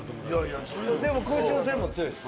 でも空中戦も強いです。